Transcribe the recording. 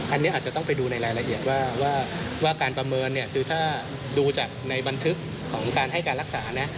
อันนี้อาจจะต้องไปดูในรายละเอียดว่าการประเมินเนี่ยคือถ้าดูจากในบันทึกของการให้การรักษานะ